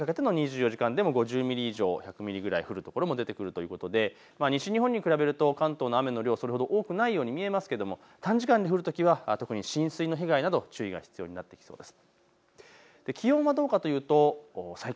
さらにその後、あさって夕方にかけての２４時間でも５０ミリ以上、１００ミリくらい降る所も出てくるということで西日本に比べると関東の雨の量それほど多くないように見えますが、短時間で降るときは特に浸水の被害など注意する必要がありそうです。